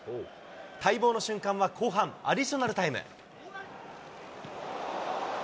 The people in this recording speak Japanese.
待望の瞬間は後半アディショナルタイム。